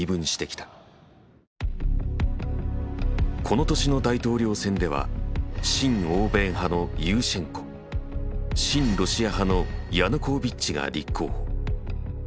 この年の大統領選では親欧米派のユーシェンコ親ロシア派のヤヌコービッチが立候補。